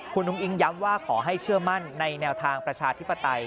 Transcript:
คุณอุ้งอิงย้ำว่าขอให้เชื่อมั่นในแนวทางประชาธิปไตย